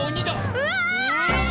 うわ！